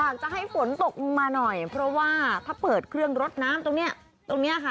กับดาวประสาท